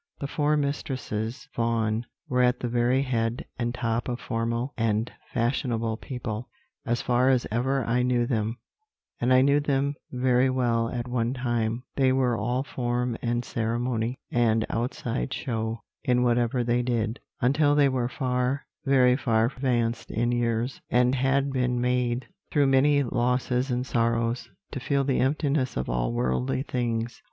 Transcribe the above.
"The four Mistresses Vaughan were at the very head and top of formal and fashionable people. As far as ever I knew them, and I knew them very well at one time, they were all form, and ceremony, and outside show, in whatever they did, until they were far, very far advanced in years, and had been made, through many losses and sorrows, to feel the emptiness of all worldly things.